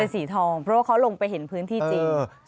สีทองเพราะว่าเขาลงไปเห็นพื้นที่จริง